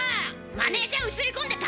マネージャー映り込んでた？